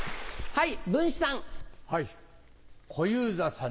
はい。